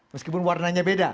meskipun warnanya beda